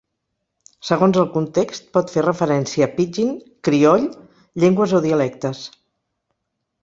Segons el context, pot fer referència a pidgin, crioll, llengües o dialectes.